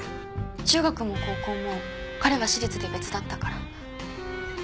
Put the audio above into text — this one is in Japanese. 中学も高校も彼は私立で別だったから。